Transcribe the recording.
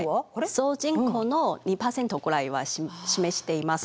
総人口の２％ぐらいは示しています。